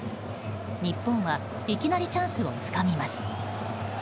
日本はいきなりチャンスをつかみます。